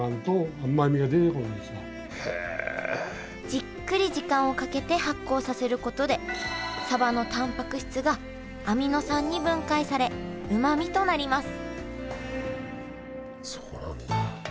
じっくり時間をかけて発酵させることでサバのたんぱく質がアミノ酸に分解されうまみとなります